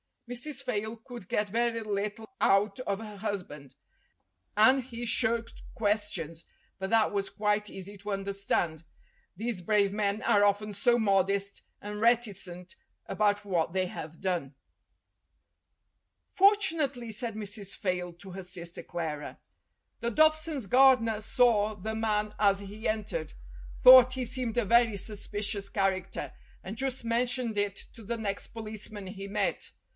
Mrs. Fayle could get very little out of her husband, and he shirked questions, but that was quite easy to under stand; these brave men are often so modest and reti cent about what they have done. "Fortunately," said Mrs. Fayle to her sister Clara, "the Dobsons' gardener saw the man as he entered, thought he seemed a very suspicious character, and just mentioned it to the next policeman he met.